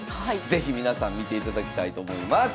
是非皆さん見ていただきたいと思います。